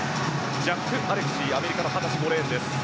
ジャック・アレクシーアメリカの２０歳５レーンです。